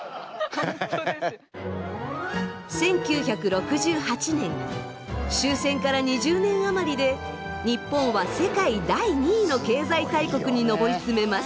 １９６８年終戦から２０年余りで日本は世界第２位の経済大国に上り詰めます。